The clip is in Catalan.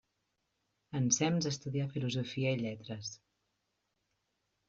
Ensems estudià Filosofia i Lletres.